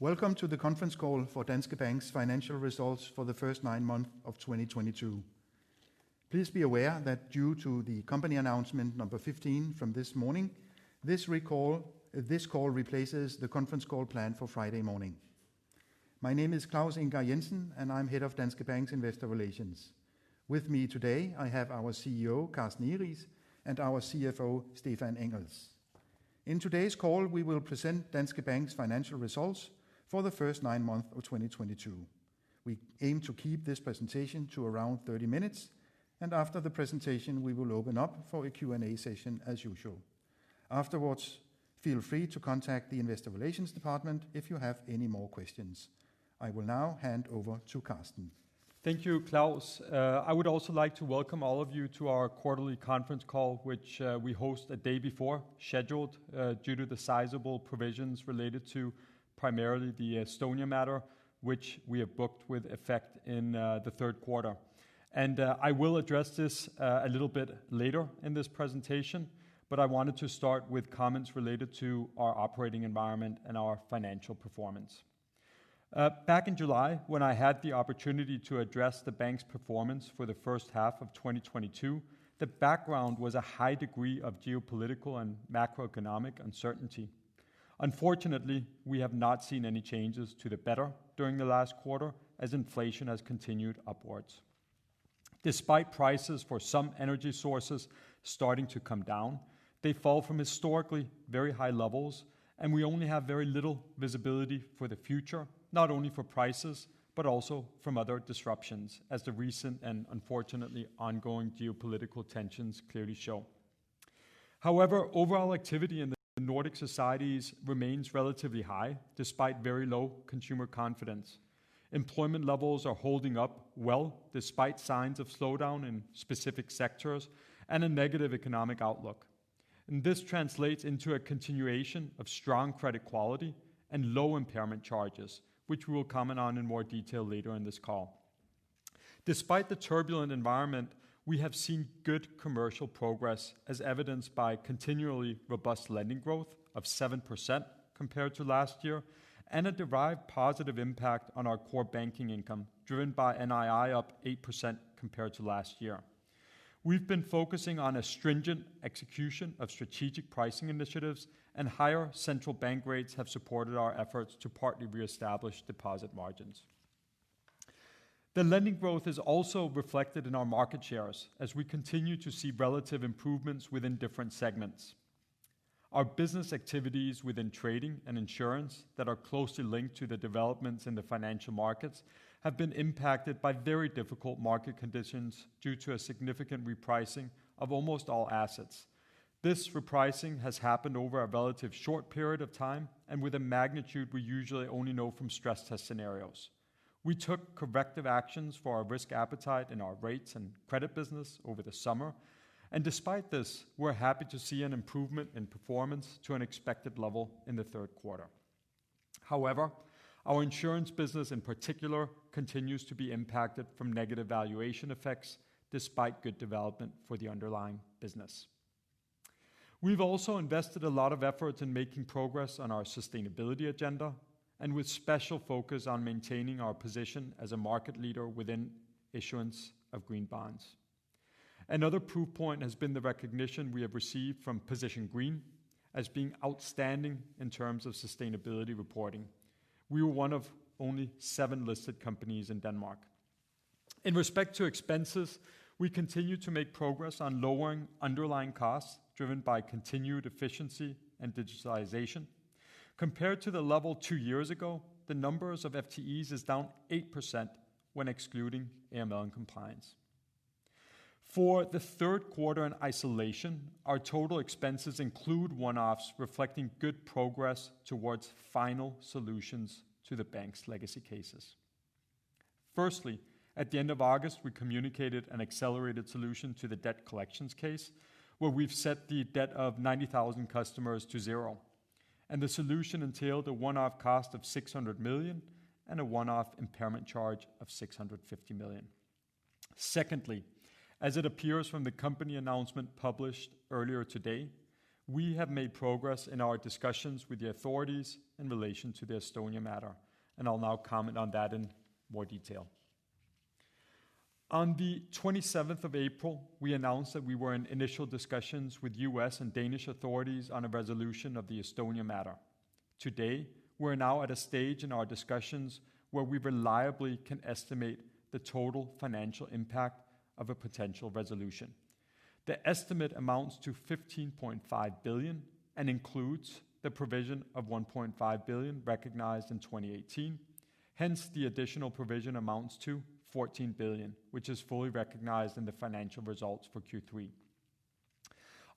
Welcome to the conference call for Danske Bank's financial results for the first nine months of 2022. Please be aware that due to the company announcement number 15 from this morning, this call replaces the conference call planned for Friday morning. My name is Claus Ingar Jensen, and I'm Head of Danske Bank's Investor Relations. With me today, I have our CEO, Carsten Egeriis, and our CFO, Stephan Engels. In today's call, we will present Danske Bank's financial results for the first nine months of 2022. We aim to keep this presentation to around 30 minutes, and after the presentation we will open up for a Q&A session as usual. Afterwards, feel free to contact the Investor Relations department if you have any more questions. I will now hand over to Carsten. Thank you, Claus. I would also like to welcome all of you to our quarterly conference call, which we host a day before scheduled due to the sizable provisions related to primarily the Estonia matter, which we have booked with effect in the third quarter. I will address this a little bit later in this presentation, but I wanted to start with comments related to our operating environment and our financial performance. Back in July, when I had the opportunity to address the bank's performance for the first half of 2022, the background was a high degree of geopolitical and macroeconomic uncertainty. Unfortunately, we have not seen any changes to the better during the last quarter as inflation has continued upwards. Despite prices for some energy sources starting to come down, they fall from historically very high levels, and we only have very little visibility for the future, not only for prices, but also from other disruptions, as the recent and unfortunately ongoing geopolitical tensions clearly show. However, overall activity in the Nordic societies remains relatively high despite very low consumer confidence. Employment levels are holding up well despite signs of slowdown in specific sectors and a negative economic outlook. This translates into a continuation of strong credit quality and low impairment charges, which we will comment on in more detail later in this call. Despite the turbulent environment, we have seen good commercial progress as evidenced by continually robust lending growth of 7% compared to last year, and a derived positive impact on our core banking income, driven by NII up 8% compared to last year. We've been focusing on a stringent execution of strategic pricing initiatives, and higher central bank rates have supported our efforts to partly reestablish deposit margins. The lending growth is also reflected in our market shares as we continue to see relative improvements within different segments. Our business activities within trading and insurance that are closely linked to the developments in the financial markets have been impacted by very difficult market conditions due to a significant repricing of almost all assets. This repricing has happened over a relatively short period of time and with a magnitude we usually only know from stress test scenarios. We took corrective actions for our risk appetite in our rates and credit business over the summer, and despite this, we're happy to see an improvement in performance to an expected level in the third quarter. However, our insurance business in particular continues to be impacted from negative valuation effects despite good development for the underlying business. We've also invested a lot of effort in making progress on our sustainability agenda and with special focus on maintaining our position as a market leader within issuance of green bonds. Another proof point has been the recognition we have received from Position Green as being outstanding in terms of sustainability reporting. We were one of only seven listed companies in Denmark. In respect to expenses, we continue to make progress on lowering underlying costs driven by continued efficiency and digitalization. Compared to the level two years ago, the numbers of FTEs is down 8% when excluding AML and compliance. For the third quarter in isolation, our total expenses include one-offs reflecting good progress towards final solutions to the bank's legacy cases. Firstly, at the end of August, we communicated an accelerated solution to the debt collections case, where we've set the debt of 90,000 customers to zero, and the solution entailed a one-off cost of 600 million and a one-off impairment charge of 650 million. Secondly, as it appears from the company announcement published earlier today, we have made progress in our discussions with the authorities in relation to the Estonia matter, and I'll now comment on that in more detail. On the 27th of April, we announced that we were in initial discussions with U.S. and Danish authorities on a resolution of the Estonia matter. Today, we're now at a stage in our discussions where we reliably can estimate the total financial impact of a potential resolution. The estimate amounts to 15.5 billion and includes the provision of 1.5 billion recognized in 2018. Hence, the additional provision amounts to 14 billion, which is fully recognized in the financial results for Q3.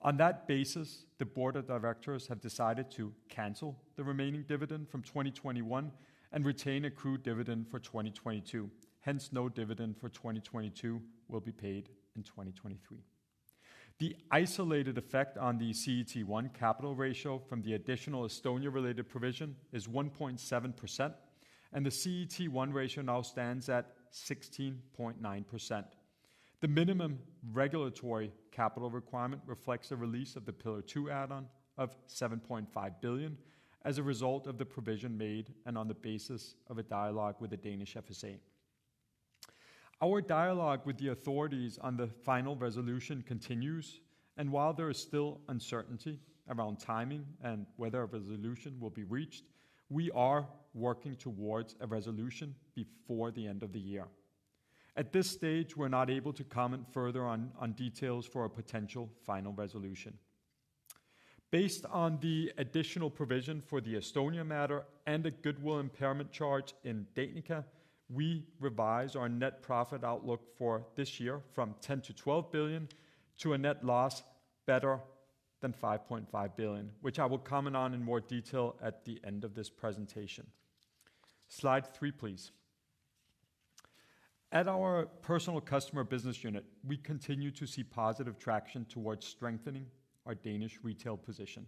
On that basis, the board of directors have decided to cancel the remaining dividend from 2021 and retain accrued dividend for 2022. Hence, no dividend for 2022 will be paid in 2023. The isolated effect on the CET1 capital ratio from the additional Estonia-related provision is 1.7%, and the CET1 ratio now stands at 16.9%. The minimum regulatory capital requirement reflects a release of the Pillar two add-on of 7.5 billion as a result of the provision made and on the basis of a dialogue with the Danish FSA. Our dialogue with the authorities on the final resolution continues, and while there is still uncertainty around timing and whether a resolution will be reached, we are working towards a resolution before the end of the year. At this stage, we're not able to comment further on details for a potential final resolution. Based on the additional provision for the Estonia matter and the goodwill impairment charge in Danica, we revise our net profit outlook for this year from 10 billion-12 billion to a net loss better than 5.5 billion, which I will comment on in more detail at the end of this presentation. Slide three, please. At our personal customer business unit, we continue to see positive traction towards strengthening our Danish retail position.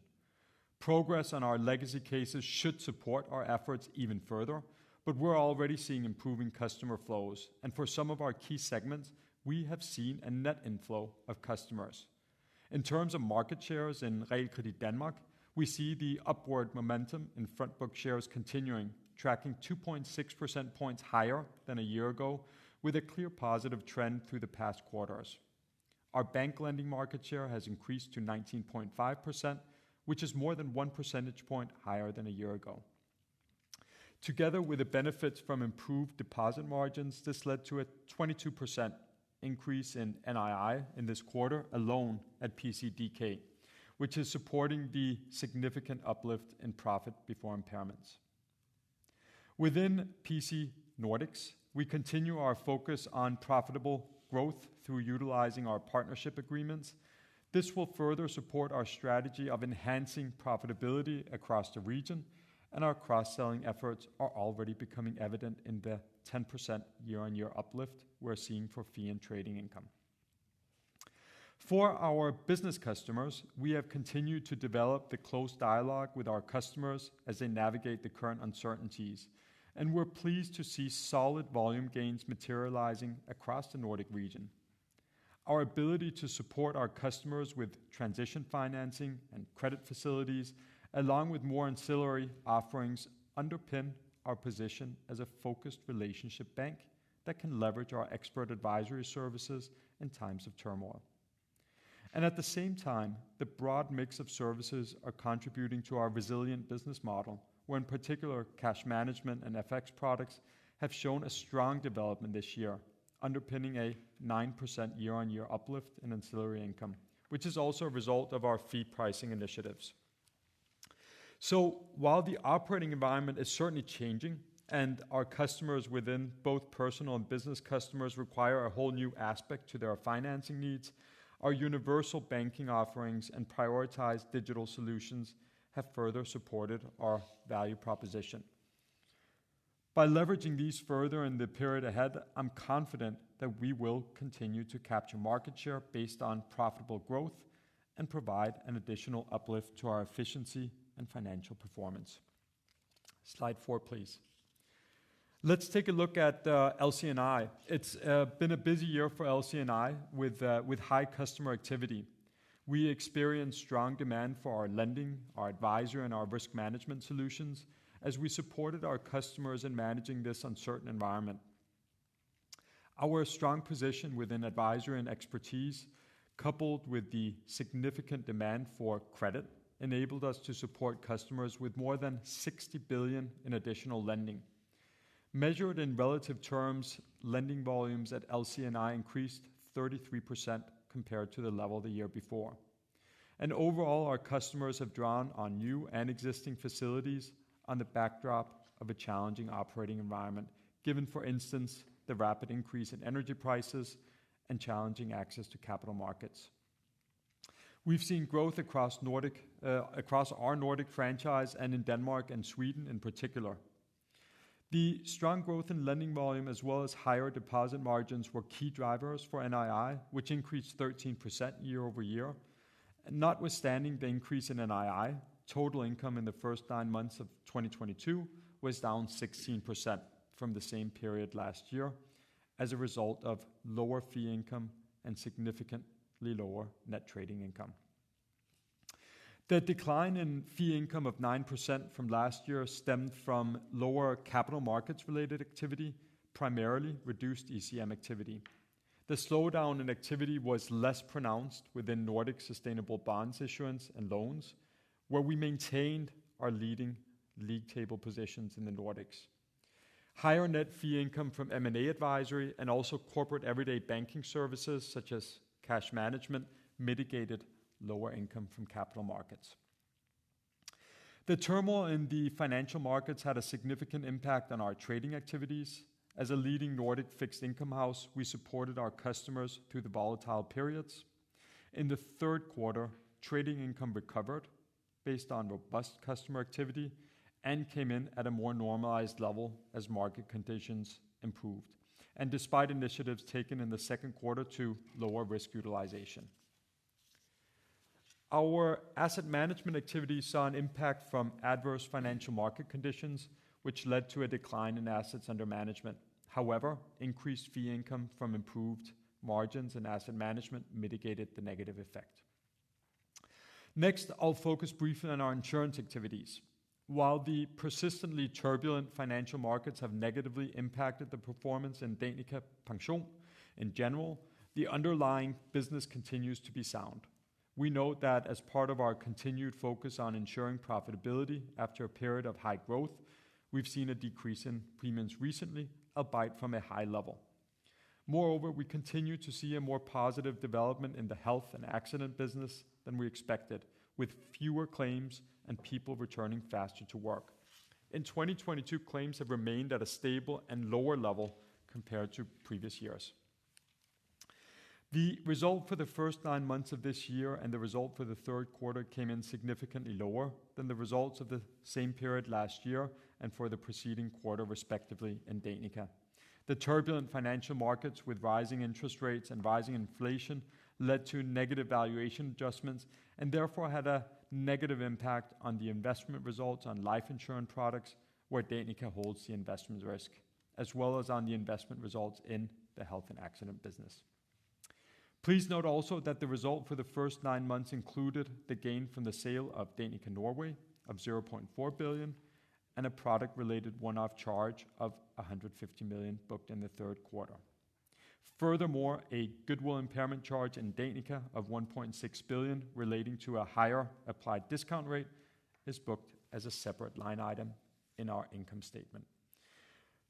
Progress on our legacy cases should support our efforts even further, but we're already seeing improving customer flows, and for some of our key segments, we have seen a net inflow of customers. In terms of market shares in Realkredit Danmark, we see the upward momentum in front book shares continuing, tracking 2.6 percentage points higher than a year ago, with a clear positive trend through the past quarters. Our bank lending market share has increased to 19.5%, which is more than 1 percentage point higher than a year ago. Together with the benefits from improved deposit margins, this led to a 22% increase in NII in this quarter alone at PCDK, which is supporting the significant uplift in profit before impairments. Within PC Nordics, we continue our focus on profitable growth through utilizing our partnership agreements. This will further support our strategy of enhancing profitability across the region, and our cross-selling efforts are already becoming evident in the 10% year-on-year uplift we're seeing for fee and trading income. For our business customers, we have continued to develop the close dialogue with our customers as they navigate the current uncertainties, and we're pleased to see solid volume gains materializing across the Nordic region. Our ability to support our customers with transition financing and credit facilities, along with more ancillary offerings, underpin our position as a focused relationship bank that can leverage our expert advisory services in times of turmoil. At the same time, the broad mix of services are contributing to our resilient business model, where in particular cash management and FX products have shown a strong development this year, underpinning a 9% year-on-year uplift in ancillary income, which is also a result of our fee pricing initiatives. While the operating environment is certainly changing and our customers within both personal and business customers require a whole new aspect to their financing needs, our universal banking offerings and prioritized digital solutions have further supported our value proposition. By leveraging these further in the period ahead, I'm confident that we will continue to capture market share based on profitable growth and provide an additional uplift to our efficiency and financial performance. Slide four, please. Let's take a look at LC&I. It's been a busy year for LC&I with high customer activity. We experienced strong demand for our lending, our advisory, and our risk management solutions as we supported our customers in managing this uncertain environment. Our strong position within advisory and expertise, coupled with the significant demand for credit, enabled us to support customers with more than 60 billion in additional lending. Measured in relative terms, lending volumes at LC&I increased 33% compared to the level the year before. Overall, our customers have drawn on new and existing facilities on the backdrop of a challenging operating environment, given, for instance, the rapid increase in energy prices and challenging access to capital markets. We've seen growth across our Nordic franchise and in Denmark and Sweden in particular. The strong growth in lending volume as well as higher deposit margins were key drivers for NII, which increased 13% year-over-year. Notwithstanding the increase in NII, total income in the first nine months of 2022 was down 16% from the same period last year as a result of lower fee income and significantly lower net trading income. The decline in fee income of 9% from last year stemmed from lower capital markets related activity, primarily reduced ECM activity. The slowdown in activity was less pronounced within Nordic sustainable bonds issuance and loans, where we maintained our leading league table positions in the Nordics. Higher net fee income from M&A advisory and also corporate everyday banking services such as cash management mitigated lower income from capital markets. The turmoil in the financial markets had a significant impact on our trading activities. As a leading Nordic fixed income house, we supported our customers through the volatile periods. In the third quarter, trading income recovered based on robust customer activity and came in at a more normalized level as market conditions improved, and despite initiatives taken in the second quarter to lower risk utilization. Our asset management activities saw an impact from adverse financial market conditions, which led to a decline in assets under management. However, increased fee income from improved margins and asset management mitigated the negative effect. Next, I'll focus briefly on our insurance activities. While the persistently turbulent financial markets have negatively impacted the performance in Danica Pension in general, the underlying business continues to be sound. We know that as part of our continued focus on ensuring profitability after a period of high growth, we've seen a decrease in premiums recently, albeit from a high level. Moreover, we continue to see a more positive development in the health and accident business than we expected, with fewer claims and people returning faster to work. In 2022, claims have remained at a stable and lower level compared to previous years. The result for the first nine months of this year and the result for the third quarter came in significantly lower than the results of the same period last year and for the preceding quarter, respectively, in Danica. The turbulent financial markets with rising interest rates and rising inflation led to negative valuation adjustments and therefore had a negative impact on the investment results on life insurance products where Danica holds the investment risk, as well as on the investment results in the health and accident business. Please note also that the result for the first nine months included the gain from the sale of Danica Norway of 0.4 billion and a product-related one-off charge of 150 million booked in the third quarter. Furthermore, a goodwill impairment charge in Danica of 1.6 billion relating to a higher applied discount rate is booked as a separate line item in our income statement.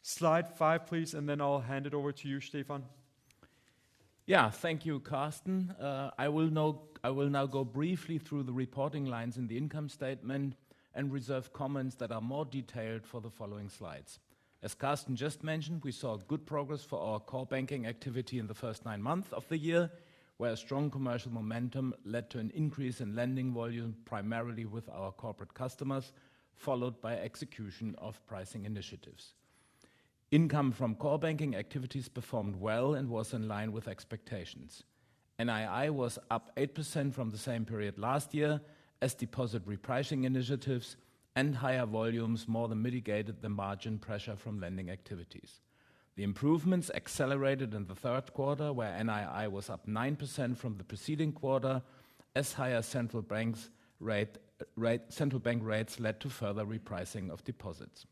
Slide five, please, and then I'll hand it over to you, Stephan. Yeah. Thank you, Carsten. I will now go briefly through the reporting lines in the income statement and reserve comments that are more detailed for the following slides. As Carsten just mentioned, we saw good progress for our core banking activity in the first nine months of the year, where strong commercial momentum led to an increase in lending volume, primarily with our corporate customers, followed by execution of pricing initiatives. Income from core banking activities performed well and was in line with expectations. NII was up 8% from the same period last year as deposit repricing initiatives and higher volumes more than mitigated the margin pressure from lending activities. The improvements accelerated in the third quarter, where NII was up 9% from the preceding quarter as higher central bank rates led to further repricing of deposits,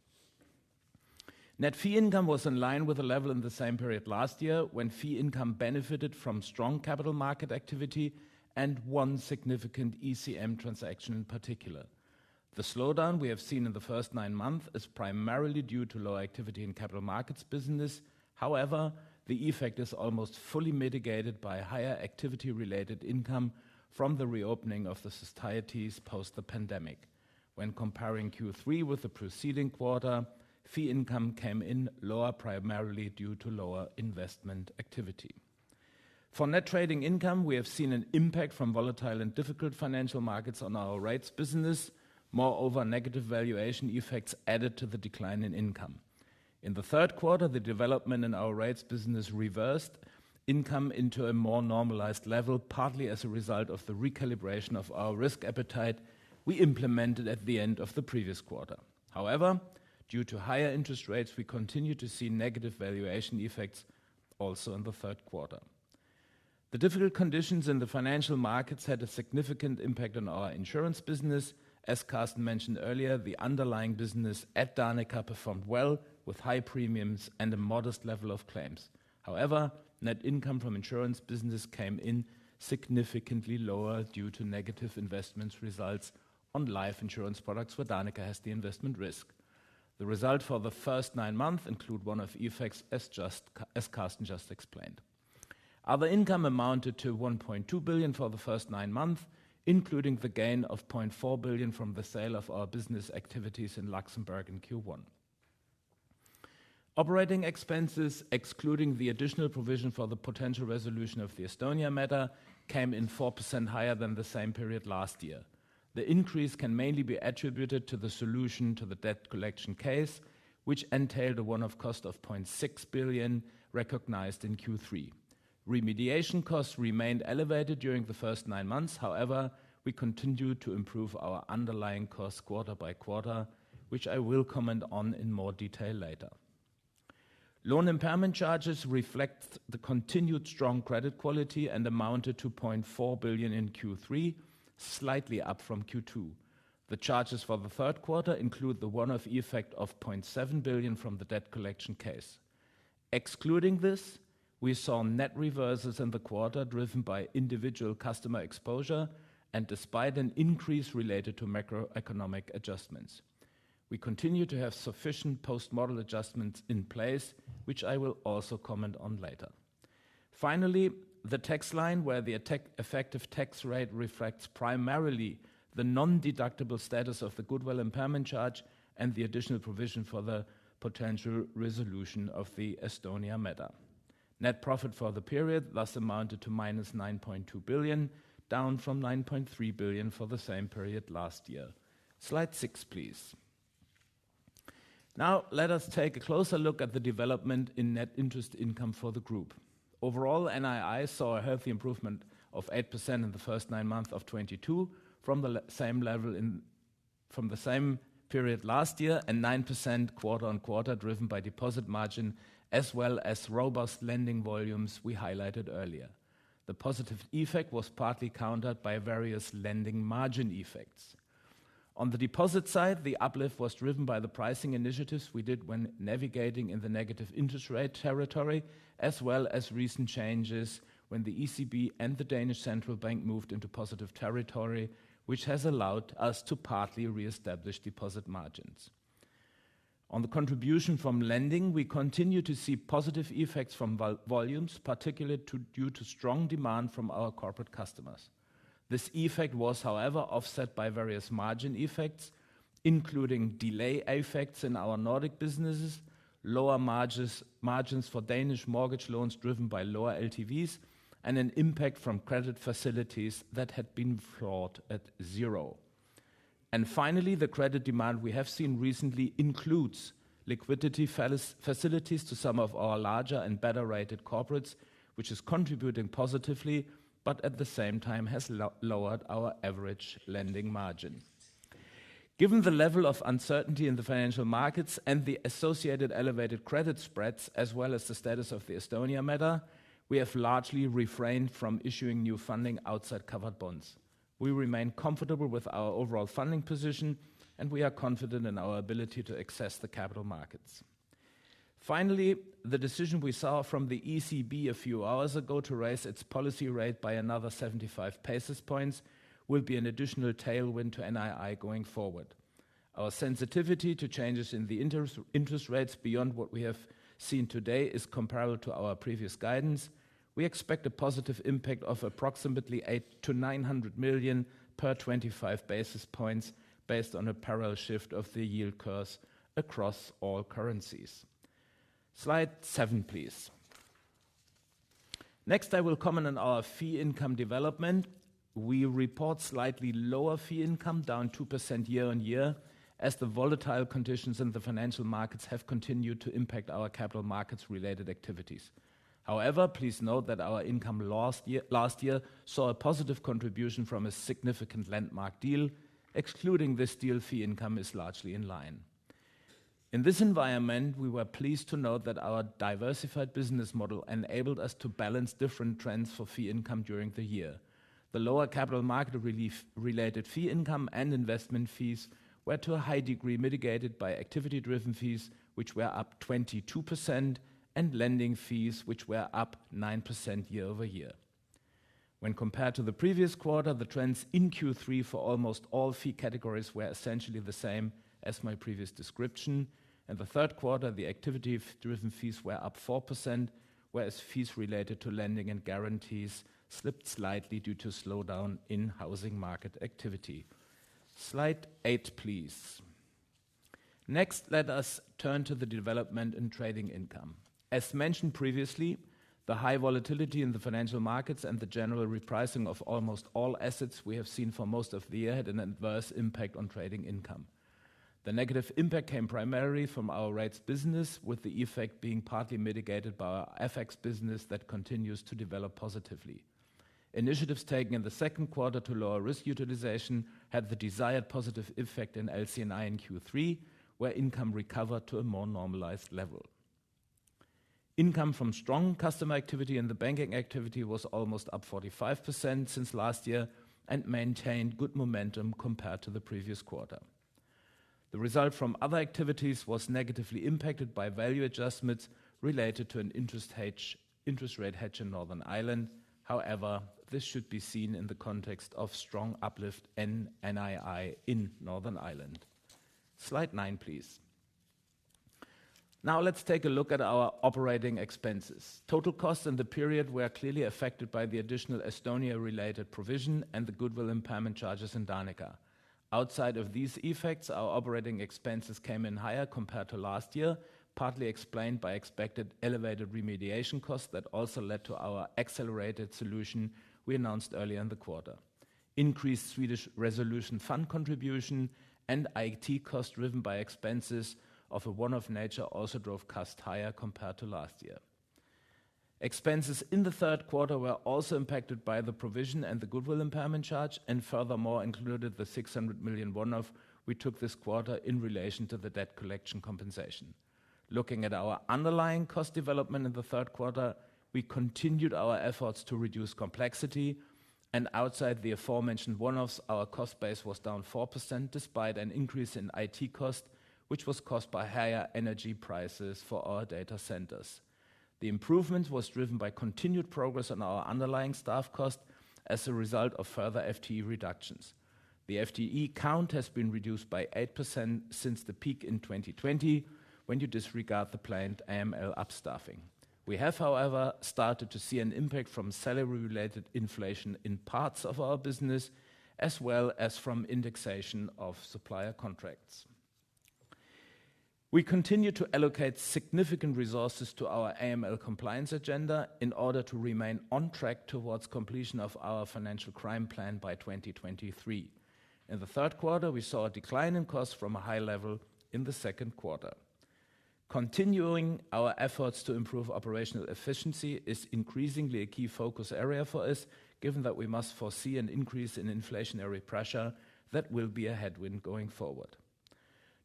Net fee income was in line with the level in the same period last year, when fee income benefited from strong capital market activity and one significant ECM transaction in particular. The slowdown we have seen in the first nine months is primarily due to low activity in capital markets business. However, the effect is almost fully mitigated by higher activity-related income from the reopening of the societies post the pandemic. When comparing Q3 with the preceding quarter, fee income came in lower primarily due to lower investment activity. For net trading income, we have seen an impact from volatile and difficult financial markets on our rates business. Moreover, negative valuation effects added to the decline in income. In the third quarter, the development in our rates business reversed income into a more normalized level, partly as a result of the recalibration of our risk appetite we implemented at the end of the previous quarter. However, due to higher interest rates, we continue to see negative valuation effects also in the third quarter. The difficult conditions in the financial markets had a significant impact on our insurance business. As Carsten mentioned earlier, the underlying business at Danica performed well with high premiums and a modest level of claims. However, net income from insurance business came in significantly lower due to negative investment results on life insurance products where Danica has the investment risk. The result for the first nine months include one-off effects as Carsten just explained. Other income amounted to 1.2 billion for the first nine months, including the gain of 0.4 billion from the sale of our business activities in Luxembourg in Q1. Operating expenses, excluding the additional provision for the potential resolution of the Estonia matter, came in 4% higher than the same period last year. The increase can mainly be attributed to the solution to the debt collection case, which entailed a one-off cost of 0.6 billion recognized in Q3. Remediation costs remained elevated during the first nine months. However, we continued to improve our underlying costs quarter by quarter, which I will comment on in more detail later. Loan impairment charges reflect the continued strong credit quality and amounted to 0.4 billion in Q3, slightly up from Q2. The charges for the third quarter include the one-off effect of 0.7 billion from the debt collection case. Excluding this, we saw net reversals in the quarter driven by individual customer exposure and despite an increase related to macroeconomic adjustments. We continue to have sufficient post-model adjustments in place, which I will also comment on later. Finally, the tax line. The effective tax rate reflects primarily the non-deductible status of the goodwill impairment charge and the additional provision for the potential resolution of the Estonia matter. Net profit for the period thus amounted to -9.2 billion, down from 9.3 billion for the same period last year. Slide eight, please. Now let us take a closer look at the development in net interest income for the group. Overall, NII saw a healthy improvement of 8% in the first nine months of 2022 from the same period last year and 9% quarter-on-quarter, driven by deposit margin as well as robust lending volumes we highlighted earlier. The positive effect was partly countered by various lending margin effects. On the deposit side, the uplift was driven by the pricing initiatives we did when navigating in the negative interest rate territory, as well as recent changes when the ECB and the Danish Central Bank moved into positive territory, which has allowed us to partly reestablish deposit margins. On the contribution from lending, we continue to see positive effects from volumes, particularly due to strong demand from our corporate customers. This effect was, however, offset by various margin effects, including delay effects in our Nordic businesses, lower margins for Danish mortgage loans driven by lower LTVs, and an impact from credit facilities that had been floored at zero. Finally, the credit demand we have seen recently includes liquidity facilities to some of our larger and better-rated corporates, which is contributing positively, but at the same time has lowered our average lending margin. Given the level of uncertainty in the financial markets and the associated elevated credit spreads, as well as the status of the Estonia matter, we have largely refrained from issuing new funding outside covered bonds. We remain comfortable with our overall funding position, and we are confident in our ability to access the capital markets. Finally, the decision we saw from the ECB a few hours ago to raise its policy rate by another 75 basis points will be an additional tailwind to NII going forward. Our sensitivity to changes in the interest rates beyond what we have seen today is comparable to our previous guidance. We expect a positive impact of approximately 800-900 million per 25 basis points based on a parallel shift of the yield curves across all currencies. Slide seven, please. Next, I will comment on our fee income development. We report slightly lower fee income, down 2% year-on-year, as the volatile conditions in the financial markets have continued to impact our capital markets related activities. However, please note that our income last year saw a positive contribution from a significant landmark deal. Excluding this deal, fee income is largely in line. In this environment, we were pleased to note that our diversified business model enabled us to balance different trends for fee income during the year. The lower capital markets-related fee income and investment fees were to a high degree mitigated by activity-driven fees, which were up 22%, and lending fees, which were up 9% year-over-year. When compared to the previous quarter, the trends in Q3 for almost all fee categories were essentially the same as my previous description. In the third quarter, the activity-driven fees were up 4%, whereas fees related to lending and guarantees slipped slightly due to slowdown in housing market activity. Slide 8, please. Next, let us turn to the development in trading income. As mentioned previously, the high volatility in the financial markets and the general repricing of almost all assets we have seen for most of the year had an adverse impact on trading income. The negative impact came primarily from our rates business, with the effect being partly mitigated by our FX business that continues to develop positively. Initiatives taken in the second quarter to lower risk utilization had the desired positive effect in LC&I in Q3, where income recovered to a more normalized level. Income from strong customer activity and the banking activity was almost up 45% since last year and maintained good momentum compared to the previous quarter. The result from other activities was negatively impacted by value adjustments related to an interest rate hedge in Northern Ireland. However, this should be seen in the context of strong uplift in NII in Northern Ireland. Slide 9, please. Now let's take a look at our operating expenses. Total costs in the period were clearly affected by the additional Estonia-related provision and the goodwill impairment charges in Danica. Outside of these effects, our operating expenses came in higher compared to last year, partly explained by expected elevated remediation costs that also led to our accelerated solution we announced earlier in the quarter. Increased Swedish resolution reserve contribution and IT costs driven by expenses of a one-off nature also drove costs higher compared to last year. Expenses in the third quarter were also impacted by the provision and the goodwill impairment charge and furthermore included the 600 million one-off we took this quarter in relation to the debt collection compensation. Looking at our underlying cost development in the third quarter, we continued our efforts to reduce complexity and outside the aforementioned one-offs our cost base was down 4% despite an increase in IT cost, which was caused by higher energy prices for our data centers. The improvement was driven by continued progress on our underlying staff cost as a result of further FTE reductions. The FTE count has been reduced by 8% since the peak in 2020 when you disregard the planned AML upstaffing. We have, however, started to see an impact from salary-related inflation in parts of our business as well as from indexation of supplier contracts. We continue to allocate significant resources to our AML compliance agenda in order to remain on track towards completion of our financial crime plan by 2023. In the third quarter, we saw a decline in costs from a high level in the second quarter. Continuing our efforts to improve operational efficiency is increasingly a key focus area for us, given that we must foresee an increase in inflationary pressure that will be a headwind going forward.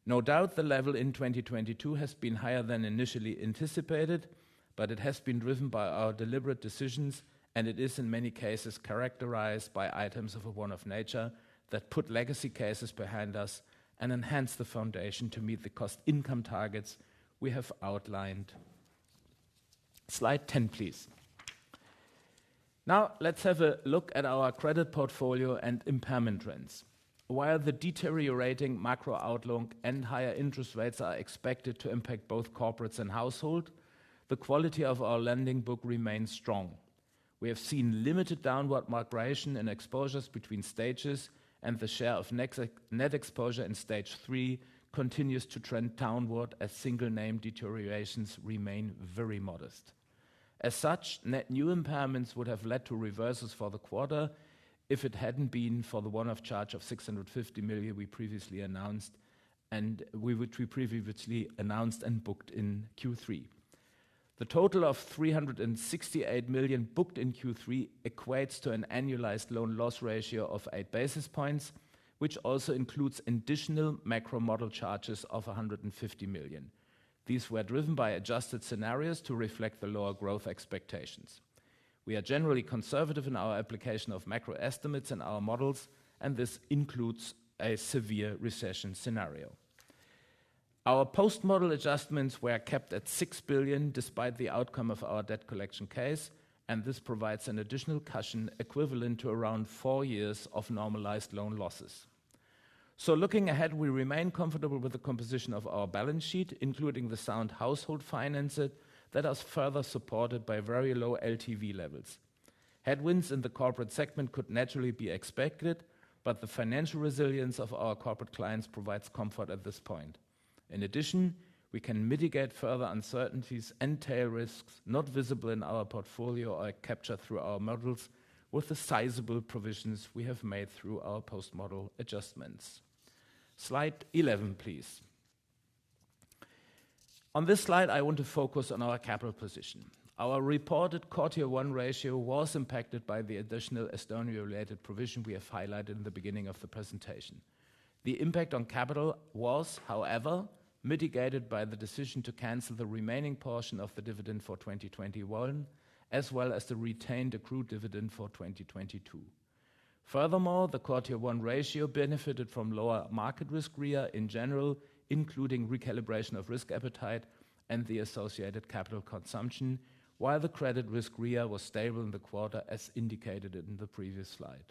No doubt the level in 2022 has been higher than initially anticipated, but it has been driven by our deliberate decisions, and it is in many cases characterized by items of a one-off nature that put legacy cases behind us and enhance the foundation to meet the cost income targets we have outlined. Slide 10, please. Now let's have a look at our credit portfolio and impairment trends. While the deteriorating macro outlook and higher interest rates are expected to impact both corporates and households, the quality of our lending book remains strong, We have seen limited downward migration and exposures between stages and the share of net exposure in stage three continues to trend downward as single name deteriorations remain very modest. As such, net new impairments would have led to reversals for the quarter if it hadn't been for the one-off charge of 650 million we previously announced and which we previously announced and booked in Q3. The total of 368 million booked in Q3 equates to an annualized loan loss ratio of 8 basis points, which also includes additional macro model charges of 150 million. These were driven by adjusted scenarios to reflect the lower growth expectations. We are generally conservative in our application of macro estimates in our models, and this includes a severe recession scenario. Our post-model adjustments were kept at 6 billion despite the outcome of our debt collection case, and this provides an additional cushion equivalent to around four years of normalized loan losses. Looking ahead, we remain comfortable with the composition of our balance sheet, including the sound household finances that are further supported by very low LTV levels. Headwinds in the corporate segment could naturally be expected, but the financial resilience of our corporate clients provides comfort at this point. In addition, we can mitigate further uncertainties and tail risks not visible in our portfolio or captured through our models with the sizable provisions we have made through our post-model adjustments. Slide 11, please. On this slide, I want to focus on our capital position. Our reported quarter one ratio was impacted by the additional Estonia-related provision we have highlighted in the beginning of the presentation. The impact on capital was, however, mitigated by the decision to cancel the remaining portion of the dividend for 2021 as well as the retained accrued dividend for 2022. Furthermore, the quarter one ratio benefited from lower market risk RWA in general, including recalibration of risk appetite and the associated capital consumption, while the credit risk RWA was stable in the quarter, as indicated in the previous slide.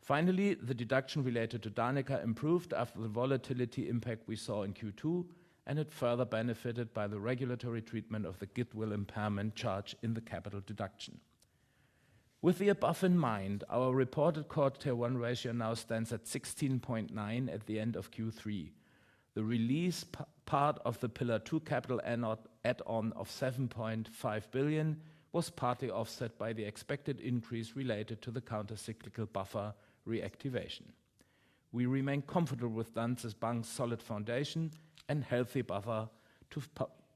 Finally, the deduction related to Danica improved after the volatility impact we saw in Q2, and it further benefited by the regulatory treatment of the goodwill impairment charge in the capital deduction. With the above in mind, our reported quarter one ratio now stands at 16.9% at the end of Q3. The release part of the Pillar two capital and add-on of 7.5 billion was partly offset by the expected increase related to the countercyclical buffer reactivation. We remain comfortable with Danske Bank's solid foundation and healthy buffer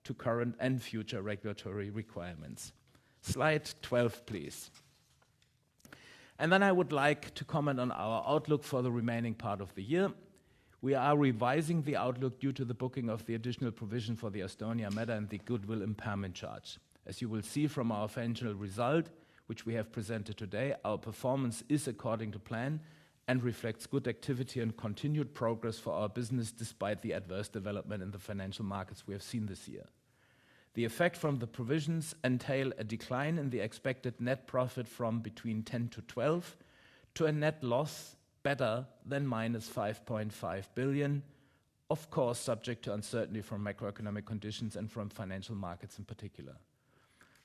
to current and future regulatory requirements. Slide 12, please. I would like to comment on our outlook for the remaining part of the year. We are revising the outlook due to the booking of the additional provision for the Estonia matter and the goodwill impairment charge. As you will see from our financial result, which we have presented today, our performance is according to plan and reflects good activity and continued progress for our business despite the adverse development in the financial markets we have seen this year. The effect from the provisions entails a decline in the expected net profit from 10 billion-12 billion to a net loss better than -5.5 billion, of course, subject to uncertainty from macroeconomic conditions and from financial markets in particular.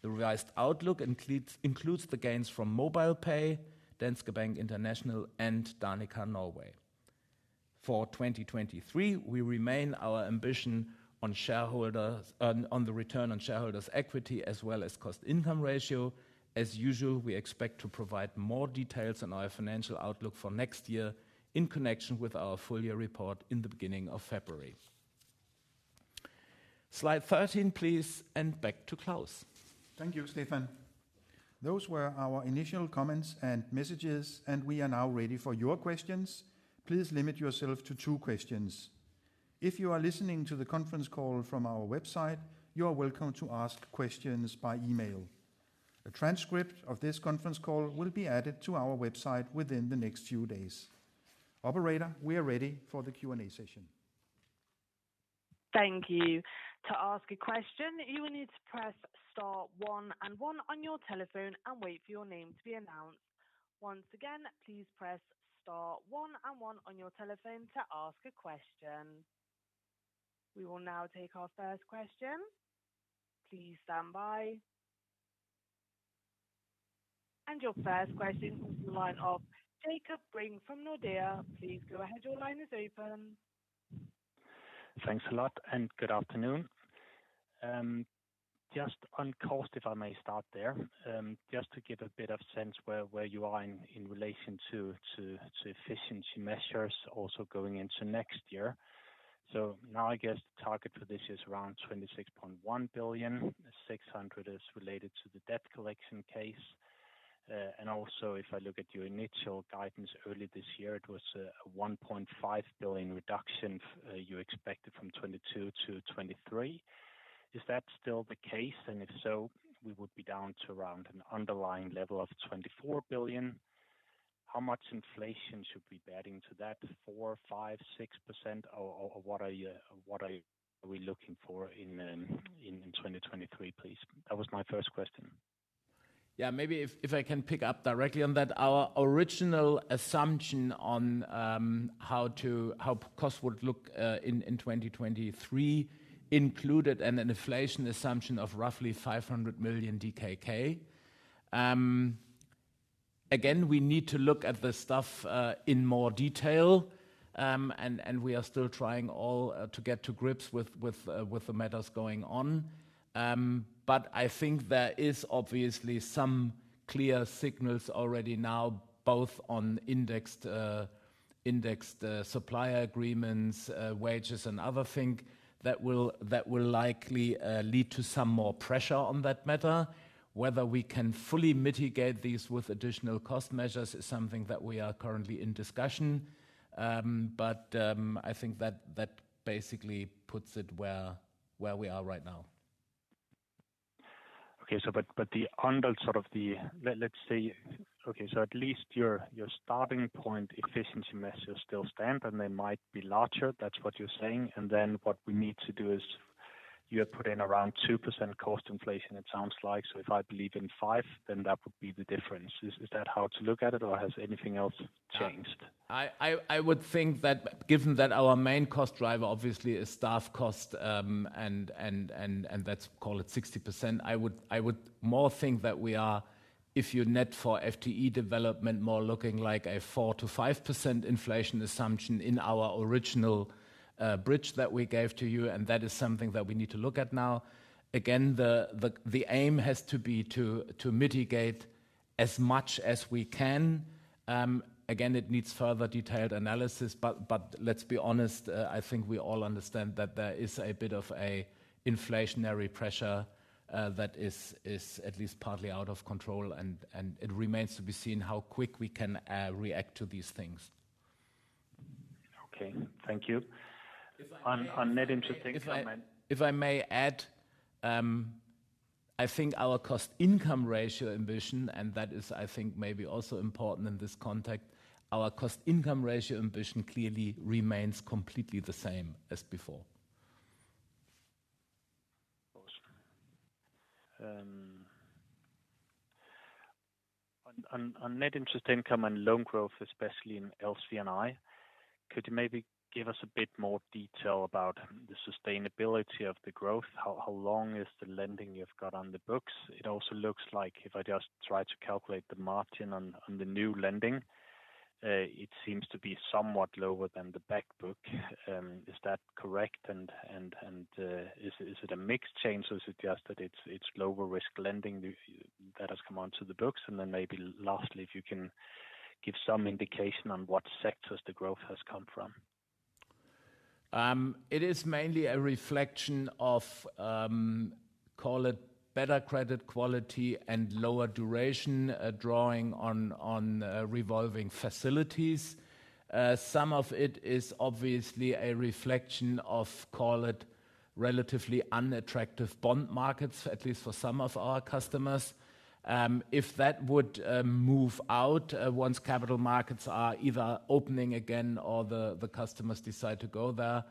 The revised outlook includes the gains from MobilePay, Danske Bank International, and Danica Norway. For 2023, we maintain our ambition on the return on shareholders' equity as well as cost-income ratio. As usual, we expect to provide more details on our financial outlook for next year in connection with our full-year report in the beginning of February. Slide 13, please, and back to Claus. Thank you, Stephan. Those were our initial comments and messages, and we are now ready for your questions. Please limit yourself to two questions. If you are listening to the conference call from our website, you are welcome to ask questions by email. A transcript of this conference call will be added to our website within the next few days. Operator, we are ready for the Q&A session. Thank you. To ask a question, you will need to press star one and one on your telephone and wait for your name to be announced. Once again, please press star one and one on your telephone to ask a question. We will now take our first question. Please stand by. Your first question comes from the line of Jakob Brink from Nordea. Please go ahead. Your line is open. Thanks a lot and good afternoon. Just on cost, if I may start there. Just to give a bit of sense where you are in relation to efficiency measures also going into next year. Now I guess the target for this is around 26.1 billion. 600 million is related to the debt collection case. If I look at your initial guidance early this year, it was a 1.5 billion reduction you expected from 2022 to 2023. Is that still the case? If so, we would be down to around an underlying level of 24 billion. How much inflation should we be adding to that? 4, 5, 6%? Or what are you, what are we looking for in 2023, please? That was my first question. Yeah. Maybe I can pick up directly on that. Our original assumption on how costs would look in 2023 included an inflation assumption of roughly 500 million DKK. Again, we need to look at the stuff in more detail, and we are still trying to get to grips with the matters going on. I think there is obviously some clear signals already now, both on indexed supplier agreements, wages and other thing that will likely lead to some more pressure on that matter. Whether we can fully mitigate these with additional cost measures is something that we are currently in discussion. I think that basically puts it where we are right now. At least your starting point efficiency measures still stand, and they might be larger. That's what you're saying. Then what we need to do is you have put in around 2% cost inflation, it sounds like. If I believe in 5%, then that would be the difference. Is that how to look at it or has anything else changed? I would think that given that our main cost driver obviously is staff cost, and let's call it 60%, I would more think that we are, if you net for FTE development, more looking like a 4%-5% inflation assumption in our original bridge that we gave to you, and that is something that we need to look at now. Again, the aim has to be to mitigate as much as we can. Again, it needs further detailed analysis, but let's be honest, I think we all understand that there is a bit of a inflationary pressure that is at least partly out of control and it remains to be seen how quick we can react to these things. Okay. Thank you. If I may. On net interest income and If I may add, I think our cost-income ratio ambition, and that is I think maybe also important in this context. Our cost-income ratio ambition clearly remains completely the same as before. Of course. On net interest income and loan growth, especially in LC&I, could you maybe give us a bit more detail about the sustainability of the growth? How long is the lending you've got on the books? It also looks like if I just try to calculate the margin on the new lending, it seems to be somewhat lower than the back book. Is that correct? Is it a mix change, or is it just that it's lower risk lending that has come onto the books? Maybe lastly, if you can give some indication on what sectors the growth has come from. It is mainly a reflection of, call it better credit quality and lower duration, drawing on revolving facilities. Some of it is obviously a reflection of, call it relatively unattractive bond markets, at least for some of our customers. If that would move out, once capital markets are either opening again or the customers decide to go there,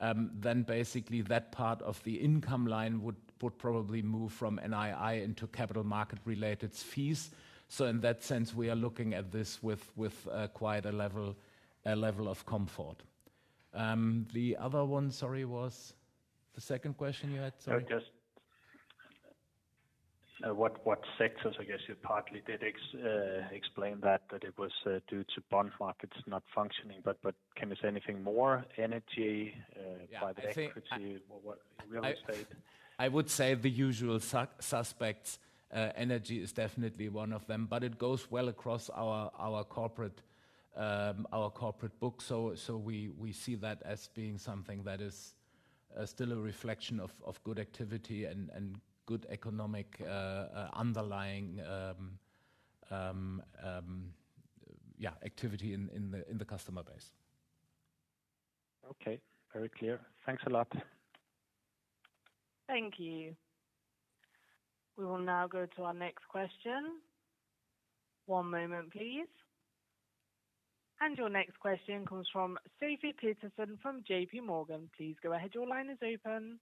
then basically that part of the income line would probably move from NII into capital market related fees. In that sense, we are looking at this with quite a level of comfort. The other one, sorry, was the second question you had, sorry. Just what sectors? I guess you partly did explain that it was due to bond markets not functioning. Can we say anything more? Energy. Yeah. I think. Private equity or what? Real estate. I would say the usual suspects. Energy is definitely one of them, but it goes well across our corporate book. We see that as being something that is still a reflection of good activity and good economic underlying activity in the customer base. Okay. Very clear. Thanks a lot. Thank you. We will now go to our next question. One moment, please. Your next question comes from Sofie Peterzéns from J.P. Morgan. Please go ahead. Your line is open.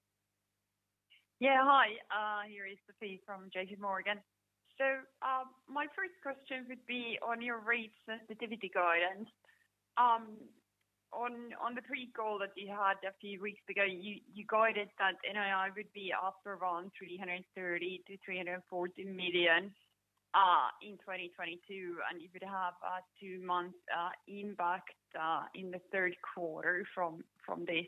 Yeah. Hi, here is Sophie from J.P. Morgan. My first question would be on your rate sensitivity guidance. On the pre-call that you had a few weeks ago, you guided that NII would be up around 330 million-340 million in 2022, and you would have a two-month impact in the third quarter from this.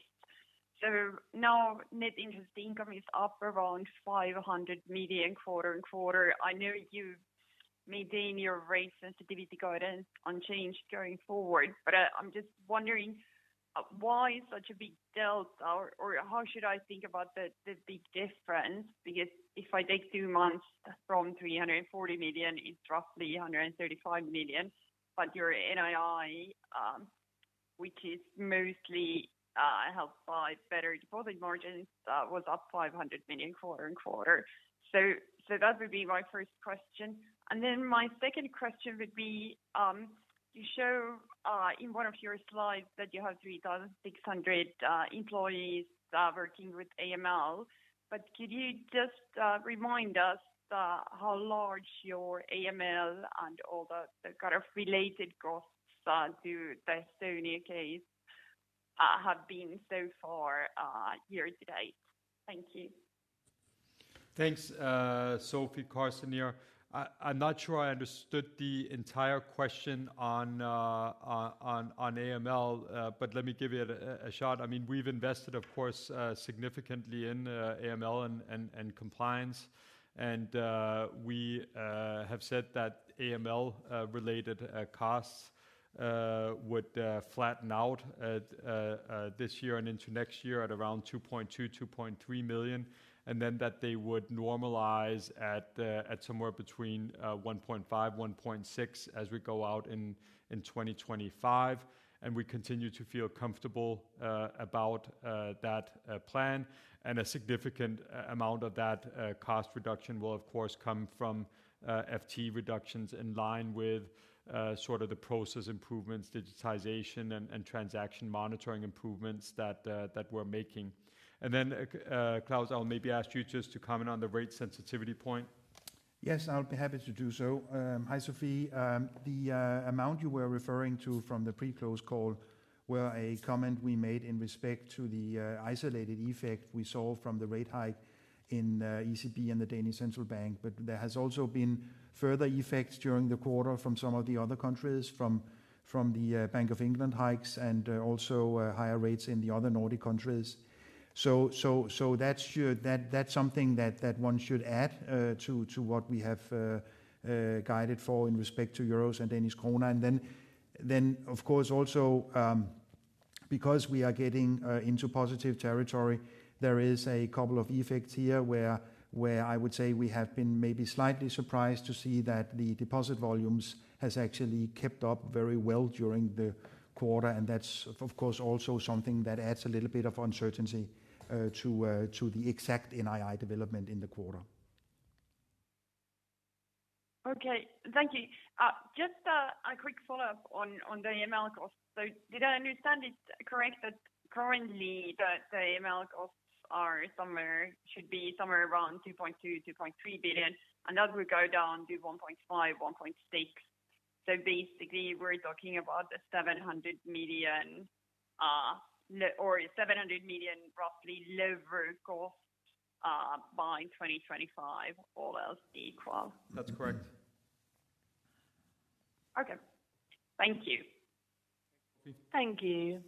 Now net interest income is up around 500 million quarter and quarter. I know you maintain your rate sensitivity guidance unchanged going forward, but I'm just wondering, why such a big delta? Or how should I think about the big difference? Because if I take two months from 340 million, it's roughly 135 million. Your NII, which is mostly helped by better deposit margins, was up 500 million quarter-over-quarter. That would be my first question. Then my second question would be, you show in one of your slides that you have 3,600 employees working with AML. Could you just remind us how large your AML and all the kind of related costs to the Estonia case have been so far year to date? Thank you. Thanks, Sofie Peterzéns. I'm not sure I understood the entire question on AML, but let me give it a shot. I mean, we've invested, of course, significantly in AML and compliance. We have said that AML related costs would flatten out at this year and into next year at around 2.2 million-2.3 million. Then that they would normalize at somewhere between 1.5, 1.6 as we go out in 2025. We continue to feel comfortable about that plan. A significant amount of that cost reduction will of course come from FTE reductions in line with sort of the process improvements, digitization and transaction monitoring improvements that we're making. Claus, I'll maybe ask you just to comment on the rate sensitivity point. Yes, I'll be happy to do so. Hi, Sofie. The amount you were referring to from the pre-close call were a comment we made in respect to the isolated effect we saw from the rate hike in ECB and Danmarks Nationalbank. There has also been further effects during the quarter from some of the other countries from the Bank of England hikes and also higher rates in the other Nordic countries. That's something that one should add to what we have guided for in respect to euros and Danish krone. Of course also, because we are getting into positive territory, there is a couple of effects here where I would say we have been maybe slightly surprised to see that the deposit volumes has actually kept up very well during the quarter. That's of course also something that adds a little bit of uncertainty to the exact NII development in the quarter. Okay. Thank you. Just a quick follow-up on the AML costs. Did I understand it correct that currently the AML costs are somewhere around 2.2-2.3 billion DKK, and that would go down to 1.5-1.6 billion DKK. Basically we're talking about the 700 million or 700 million roughly lower cost by 2025, all else equal. That's correct. Okay. Thank you. Thanks, Sofie. Thank you.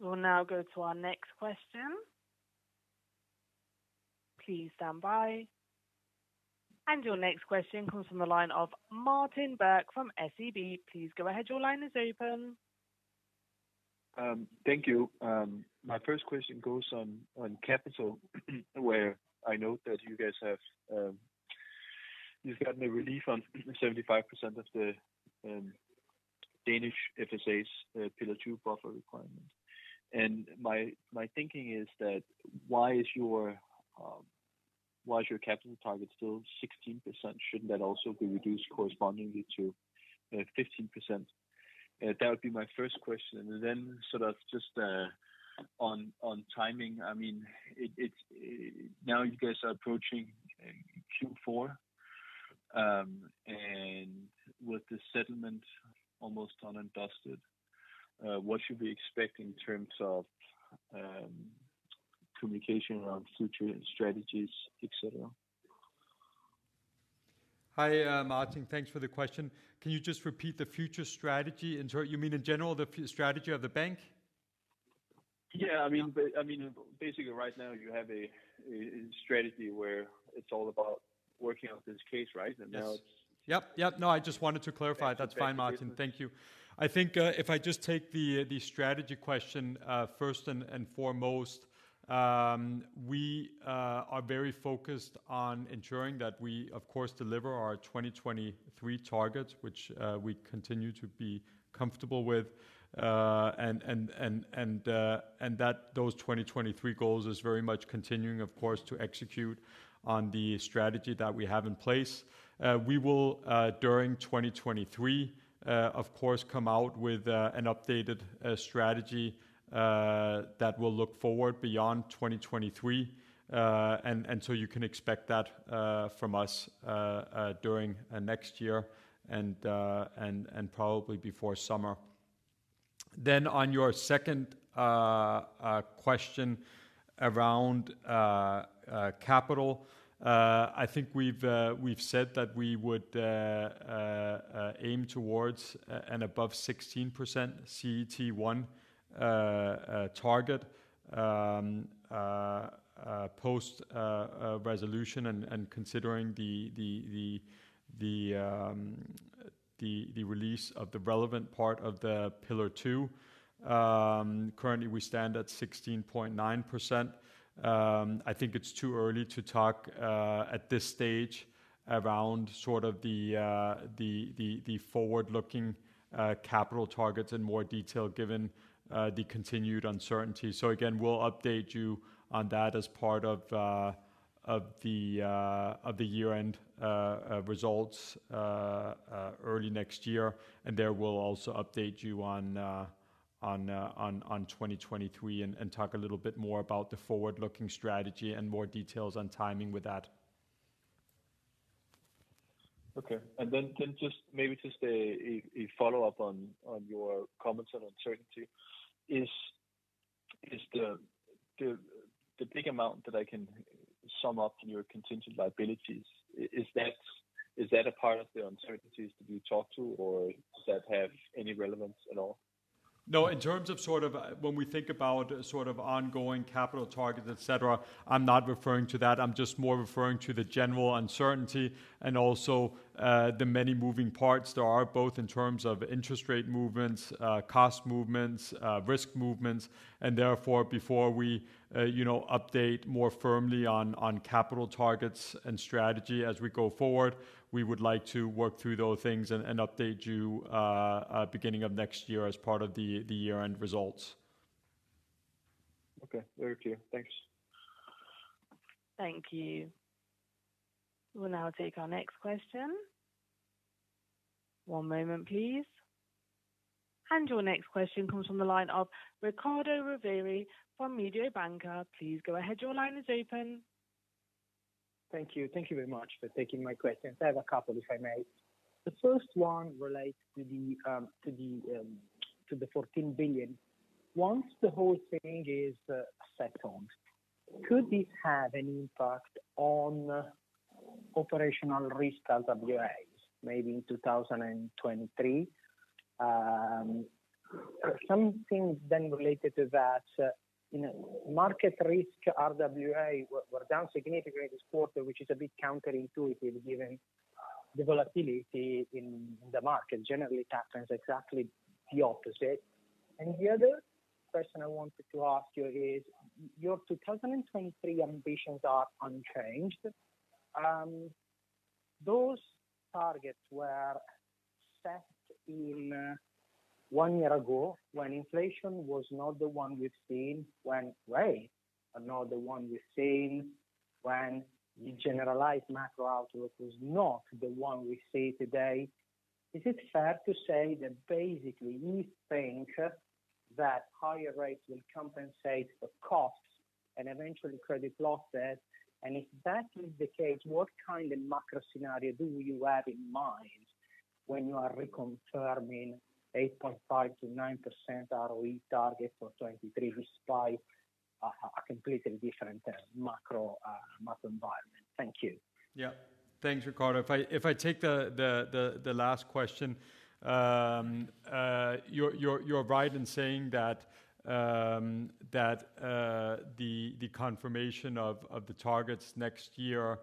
We'll now go to our next question. Please stand by. Your next question comes from the line of Martin Gregers Birk from SEB. Please go ahead, your line is open. Thank you. My first question goes on capital, where I note that you guys have gotten a relief on 75% of the Danish FSA's Pillar two buffer requirement. My thinking is that why is your capital target still 16%? Shouldn't that also be reduced correspondingly to 15%? That would be my first question. Then sort of just on timing. I mean, it's now you guys are approaching Q4, and with the settlement almost done and dusted, what should we expect in terms of communication around future strategies, et cetera? Hi, Martin. Thanks for the question. Can you just repeat the future strategy? You mean in general the future strategy of the bank? Yeah. I mean, basically right now you have a strategy where it's all about working out this case, right? Now it's- Yes. Yep. No, I just wanted to clarify. That's fine, Martin. Thank you. I think if I just take the strategy question first and foremost, we are very focused on ensuring that we of course deliver our 2023 targets, which we continue to be comfortable with, and that those 2023 goals is very much continuing of course to execute on the strategy that we have in place. We will during 2023 of course come out with an updated strategy that will look forward beyond 2023. You can expect that from us during next year and probably before summer. On your second question around capital, I think we've said that we would aim towards an above 16% CET1 target post resolution and considering the release of the relevant part of the Pillar two. Currently we stand at 16.9%. I think it's too early to talk at this stage around the forward-looking capital targets in more detail, given the continued uncertainty. Again, we'll update you on that as part of the year-end results early next year. There we'll also update you on 2023 and talk a little bit more about the forward-looking strategy and more details on timing with that. Okay. Just maybe a follow-up on your comments on uncertainty. Is the big amount that I can sum up in your contingent liabilities, is that a part of the uncertainties that you talked about, or does that have any relevance at all? No. In terms of sort of when we think about sort of ongoing capital targets, et cetera, I'm not referring to that. I'm just more referring to the general uncertainty and also, the many moving parts there are, both in terms of interest rate movements, cost movements, risk movements. Therefore, before we, you know, update more firmly on capital targets and strategy as we go forward, we would like to work through those things and update you at beginning of next year as part of the year-end results. Okay. Very clear. Thanks. Thank you. We'll now take our next question. One moment, please. Your next question comes from the line of Riccardo Rovere from Mediobanca. Please go ahead. Your line is open. Thank you. Thank you very much for taking my questions. I have a couple, if I may. The first one relates to the 14 billion. Once the whole thing is settled, could this have any impact on operational risk RWAs, maybe in 2023? Something then related to that, you know, market risk RWA were down significantly this quarter, which is a bit counterintuitive given the volatility in the market. Generally, that trends exactly the opposite. The other question I wanted to ask you is, your 2023 ambitions are unchanged. Those targets were set 1 year ago when inflation was not the one we've seen when rates are not the one we've seen, when the generalized macro outlook was not the one we see today. Is it fair to say that basically you think that higher rates will compensate for costs and eventually credit losses? If that is the case, what kind of macro scenario do you have in mind when you are reconfirming 8.5%-9% ROE target for 2023, despite a completely different macro environment? Thank you. Yeah. Thanks, Riccardo. If I take the last question, you're right in saying that the confirmation of the targets next year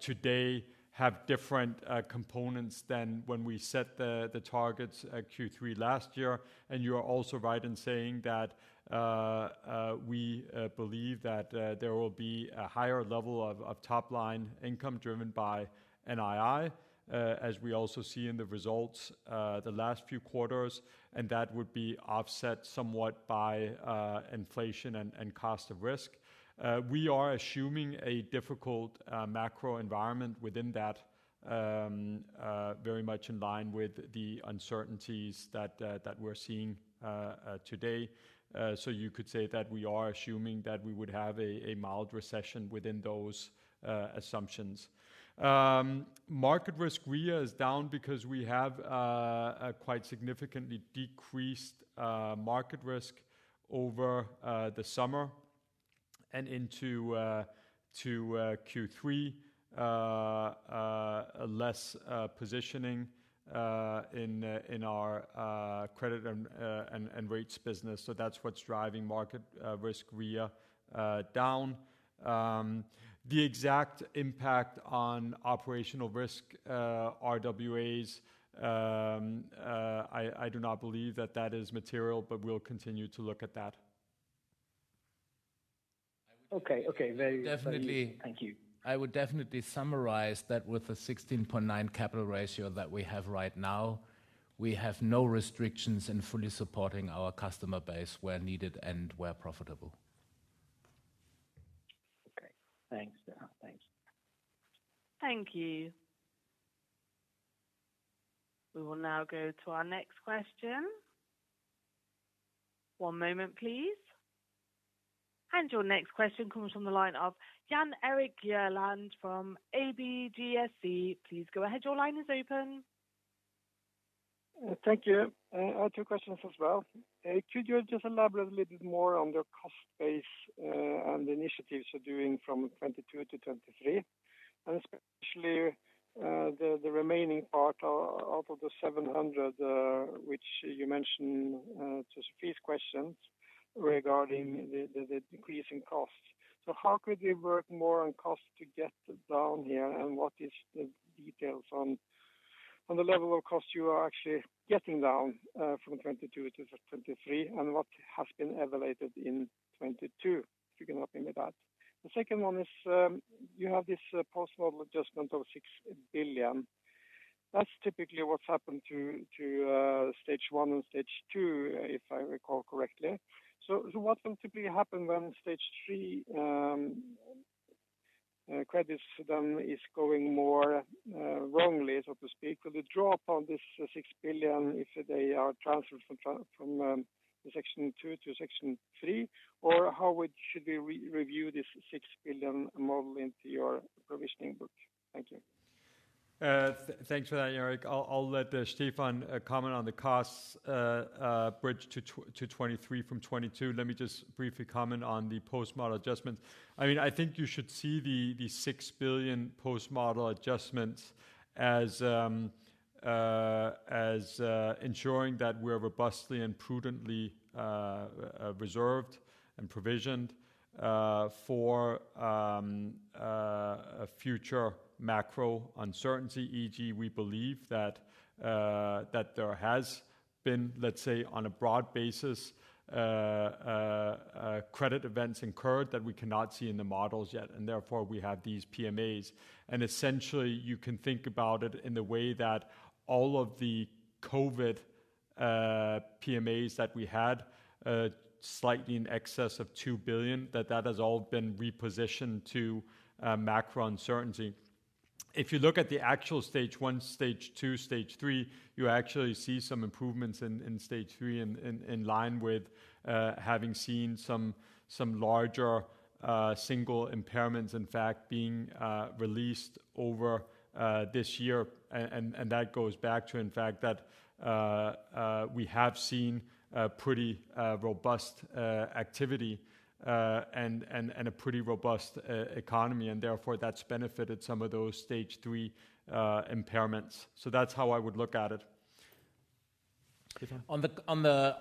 today have different components than when we set the targets at Q3 last year. You are also right in saying that we believe that there will be a higher level of top line income driven by NII as we also see in the results the last few quarters, and that would be offset somewhat by inflation and cost of risk. We are assuming a difficult macro environment within that very much in line with the uncertainties that we're seeing today. You could say that we are assuming that we would have a mild recession within those assumptions. Market risk RWA is down because we have a quite significantly decreased market risk over the summer and into Q3, less positioning in our credit and rates business. That's what's driving market risk RWA down. The exact impact on operational risk RWAs, I do not believe that is material, but we'll continue to look at that. Okay. Very useful. Definitely. Thank you. I would definitely summarize that with a 16.9 capital ratio that we have right now, we have no restrictions in fully supporting our customer base where needed and where profitable. Okay. Thanks. Yeah. Thanks. Thank you. We will now go to our next question. One moment, please. Your next question comes from the line of Jan Erik Gjerland from ABG Sundal Collier. Please go ahead. Your line is open. Thank you. I have two questions as well. Could you just elaborate a little bit more on the cost base, and the initiatives you're doing from 2022 to 2023, and especially, the remaining part of the 700, which you mentioned to Sofie's questions regarding the decreasing costs. How could we work more on cost to get down here, and what is the details on the level of cost you are actually getting down from 2022 to 2023, and what has been evaluated in 2022? If you can help me with that. The second one is, you have this post-model adjustment of 6 billion. That's typically what's happened to stage one and stage two, if I recall correctly. What will typically happen when stage three credits then is going more wrongly, so to speak? Will they draw upon this 6 billion if they are transferred from stage two to stage three? Or should we re-review this 6 billion model into your provisioning book? Thank you. Thanks for that, Jan Erik Gjerland. I'll let Stephan comment on the costs, bridge to 2023 from 2022. Let me just briefly comment on the post-model adjustments. I mean, I think you should see the 6 billion post-model adjustments as ensuring that we're robustly and prudently reserved and provisioned for a future macro uncertainty. E.g., we believe that there has been, let's say, on a broad basis, credit events incurred that we cannot see in the models yet, and therefore we have these PMAs. Essentially, you can think about it in the way that all of the COVID PMAs that we had, slightly in excess of 2 billion, that has all been repositioned to macro uncertainty. If you look at the actual stage one, stage two, stage three, you actually see some improvements in stage three in line with having seen some larger single impairments, in fact, being released over this year. That goes back to, in fact, that we have seen a pretty robust activity and a pretty robust economy, and therefore that's benefited some of those stage three impairments. So that's how I would look at it. Stephan? On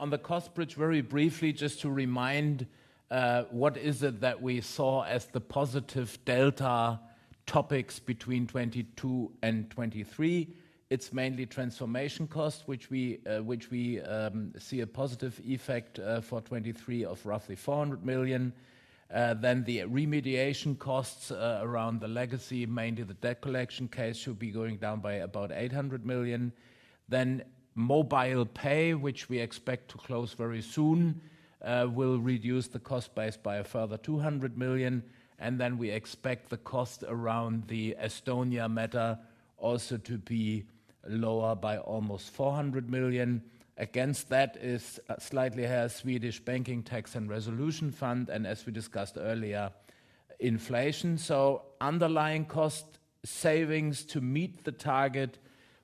the cost bridge, very briefly, just to remind, what is it that we saw as the positive delta topics between 2022 and 2023. It's mainly transformation costs, which we see a positive effect for 2023 of roughly 400 million. The remediation costs around the legacy, mainly the debt collection case, should be going down by about 800 million. MobilePay, which we expect to close very soon, will reduce the cost base by a further 200 million. We expect the cost around the Estonia matter also to be lower by almost 400 million. Against that is slightly higher Swedish banking tax and resolution fund and, as we discussed earlier, inflation. Underlying cost savings to meet the target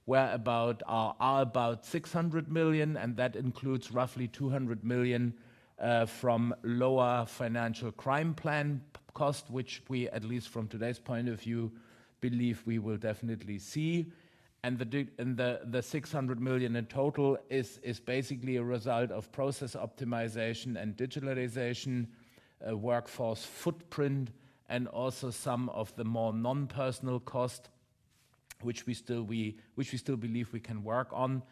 were about... Are about 600 million, and that includes roughly 200 million from lower financial crime plan P-cost, which we, at least from today's point of view, believe we will definitely see. The 600 million in total is basically a result of process optimization and digitalization, workforce footprint, and also some of the more non-personal cost which we still believe we can work on.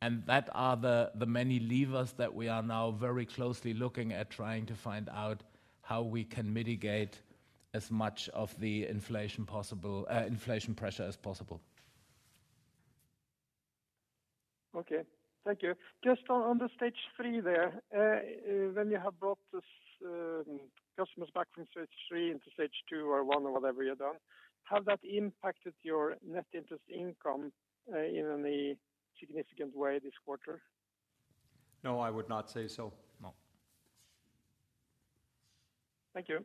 That are the many levers that we are now very closely looking at trying to find out how we can mitigate as much of the inflation pressure as possible. Okay. Thank you. Just on the stage three there, when you have brought these customers back from stage three into stage two or one or whatever you're done, has that impacted your net interest income in any significant way this quarter? No, I would not say so, no. Thank you.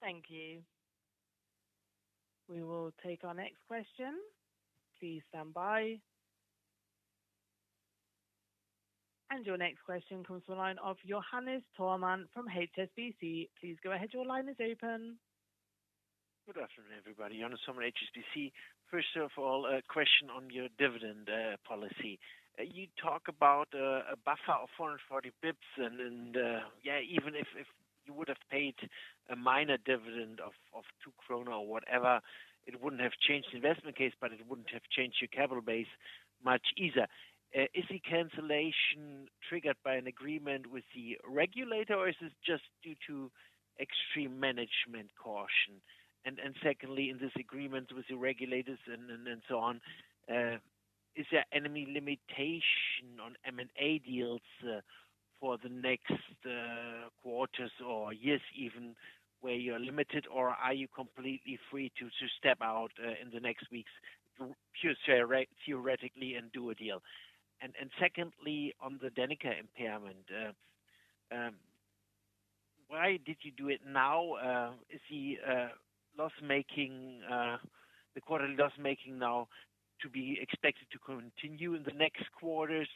Thank you. We will take our next question. Please stand by. Your next question comes from the line of Johannes Thormann from HSBC. Please go ahead. Your line is open. Good afternoon, everybody. Johannes Thormann, HSBC. First of all, a question on your dividend policy. You talk about a buffer of 440 bps and yeah, even if you would have paid a minor dividend of 2 krone or whatever, it wouldn't have changed the investment case, but it wouldn't have changed your capital base much either. Is the cancellation triggered by an agreement with the regulator, or is this just due to extreme management caution? Secondly, in this agreement with the regulators and so on, is there any limitation on M&A deals for the next quarters or years even, where you're limited or are you completely free to step out in the next weeks theoretically and do a deal? Secondly, on the Danica impairment, why did you do it now? Is it loss making, the quarterly loss making now to be expected to continue in the next quarters?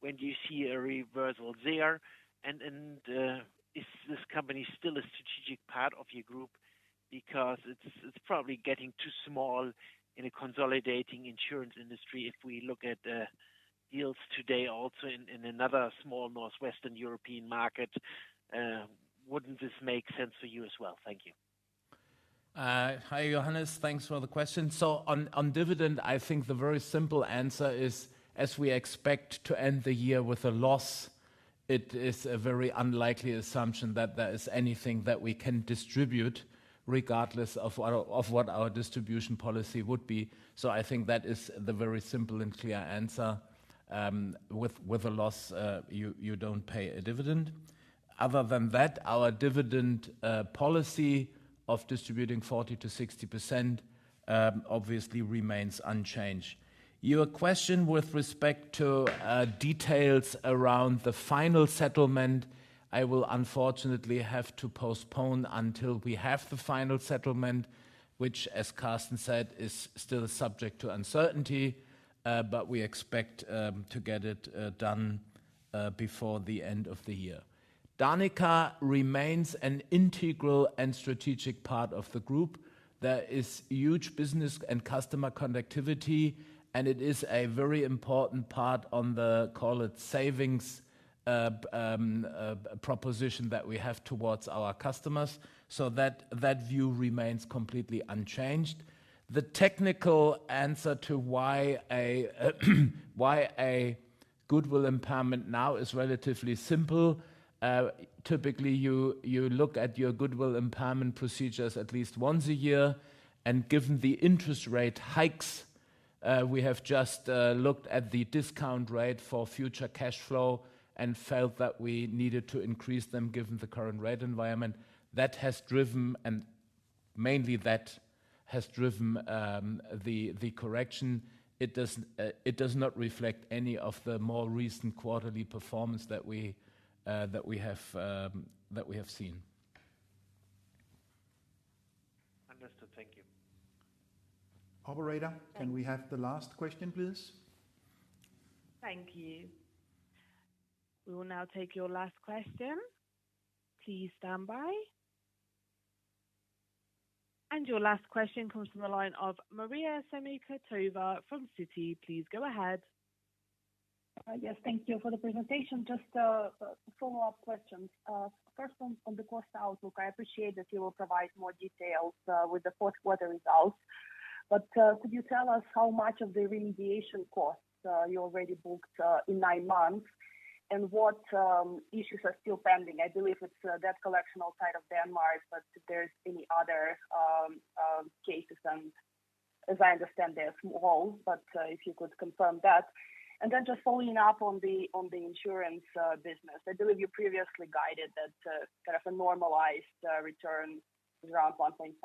When do you see a reversal there? Is this company still a strategic part of your group? Because it's probably getting too small in a consolidating insurance industry. If we look at the deals today also in another small Northwestern European market, wouldn't this make sense for you as well? Thank you. Hi Johannes. Thanks for the question. On dividend, I think the very simple answer is, as we expect to end the year with a loss, it is a very unlikely assumption that there is anything that we can distribute regardless of what our distribution policy would be. I think that is the very simple and clear answer. With a loss, you don't pay a dividend. Other than that, our dividend policy of distributing 40%-60% obviously remains unchanged. Your question with respect to details around the final settlement, I will unfortunately have to postpone until we have the final settlement. Which as Carsten said, is still subject to uncertainty, but we expect to get it done before the end of the year. Danica remains an integral and strategic part of the group. There is huge business and customer connectivity, and it is a very important part on the, call it savings, proposition that we have towards our customers. That view remains completely unchanged. The technical answer to why a goodwill impairment now is relatively simple. Typically, you look at your goodwill impairment procedures at least once a year, and given the interest rate hikes, we have just looked at the discount rate for future cash flow and felt that we needed to increase them given the current rate environment. That has driven, and mainly that has driven, the correction. It does not reflect any of the more recent quarterly performance that we have seen. Understood. Thank you. Operator- Thanks. Can we have the last question, please? Thank you. We will now take your last question. Please stand by. Your last question comes from the line of Maria Semikhatova from Citi. Please go ahead. Yes. Thank you for the presentation. Just follow-up questions. First on the cost outlook. I appreciate that you will provide more details with the fourth quarter results. Could you tell us how much of the remediation costs you already booked in nine months? What issues are still pending? I believe it's debt collection outside of Denmark, but if there's any other cases. As I understand, they are small, but if you could confirm that. Then just following up on the insurance business. I believe you previously guided that kind of a normalized return around 1.7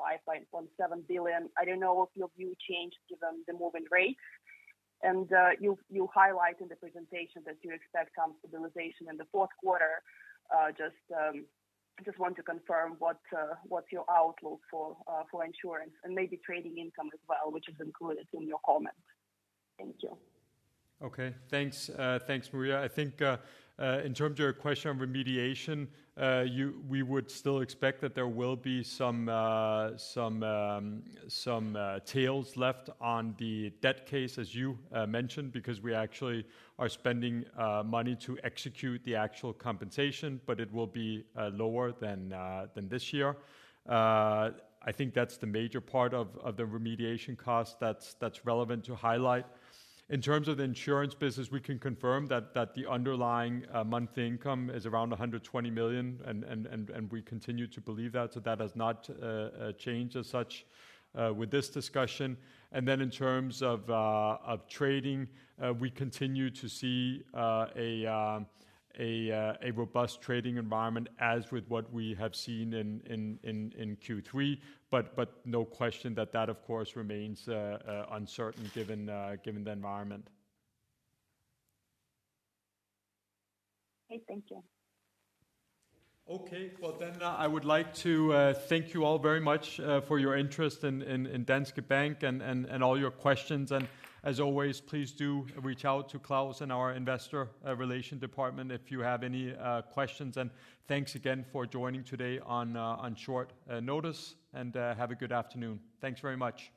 billion. I don't know if your view changed given the moving rates. you highlight in the presentation that you expect some stabilization in the fourth quarter. Just, I just want to confirm what's your outlook for insurance and maybe trading income as well, which is included in your comments. Thank you. Okay. Thanks. Thanks, Maria. I think in terms of your question on remediation, we would still expect that there will be some tails left on that case, as you mentioned. Because we actually are spending money to execute the actual compensation, but it will be lower than this year. I think that's the major part of the remediation cost that's relevant to highlight. In terms of the insurance business, we can confirm that the underlying monthly income is around 120 million, and we continue to believe that. That has not changed as such with this discussion. Then in terms of trading, we continue to see a robust trading environment as with what we have seen in Q3. No question that of course remains uncertain given the environment. Okay. Thank you. Okay. Well, then I would like to thank you all very much for your interest in Danske Bank and all your questions. As always, please do reach out to Claus in our Investor Relations department if you have any questions. Thanks again for joining today on short notice. Have a good afternoon. Thanks very much.